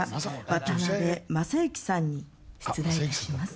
渡辺正行さんに出題致します。